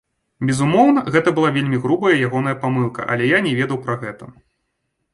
Безумоўна, гэта была вельмі грубая ягоная памылка, але я не ведаў пра гэта.